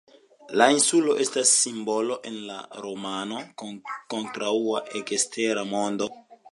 La insulo estas simbolo en la romano kontraŭ la ekstera mondo.